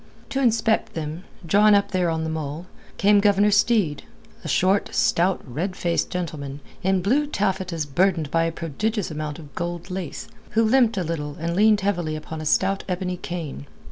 To inspect them, drawn up there on the mole, came Governor Steed, a short, stout, red faced gentleman, in blue taffetas burdened by a prodigious amount of gold lace, who limped a little and leaned heavily upon a stout ebony cane.